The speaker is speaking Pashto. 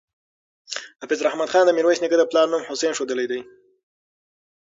حافظ رحمت خان د میرویس نیکه د پلار نوم حسین ښودلی دی.